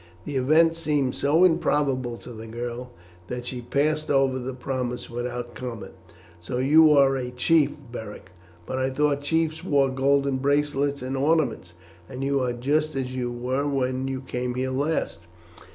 The event seemed so improbable to the girl that she passed over the promise without comment. "So you are a chief, Beric! But I thought chiefs wore golden bracelets and ornaments, and you are just as you were when you came here last."